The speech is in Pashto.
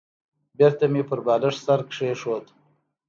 بېرته مې پر بالښت سر کېښود.